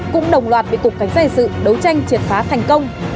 cũng đồng loạt bị tục cánh xe sự đấu tranh triệt phá thành công